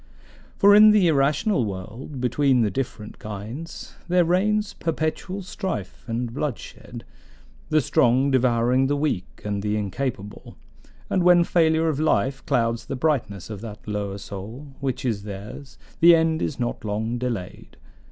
For in the irrational world, between the different kinds, there reigns perpetual strife and bloodshed, the strong devouring the weak and the incapable; and when failure of life clouds the brightness of that lower soul, which is theirs, the end is not long delayed.